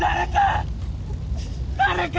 誰か！